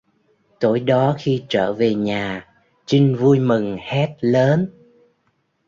Tối đó khi trở về nhà trinh vui mừng hét lớn